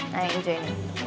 nah yang hijau ini